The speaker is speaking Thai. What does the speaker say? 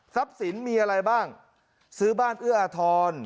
สินมีอะไรบ้างซื้อบ้านเอื้ออาทร